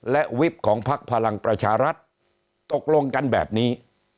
และวิบของพักพลังประชารัฐตกลงกันแบบนี้